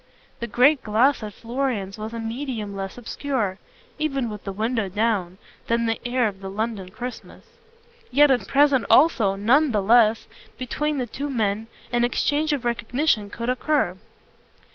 The great glass at Florian's was a medium less obscure, even with the window down, than the air of the London Christmas; yet at present also, none the less, between the two men, an exchange of recognitions could occur.